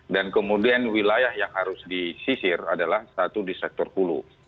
dan kemudian wilayah yang harus disisir adalah satu di sektor hulu